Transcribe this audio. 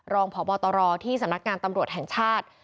รองพบตรที่สำนักงานตำรวจแห่งชาติ